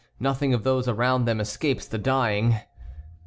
Nothing of those around them escapes the dying.